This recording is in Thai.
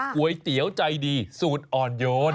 ก๋วยเตี๋ยวใจดีสูตรอ่อนโยน